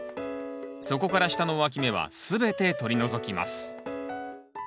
そこから下のわき芽は全て取り除きます